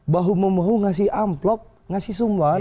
bahu memahu ngasih amplop ngasih sumbangan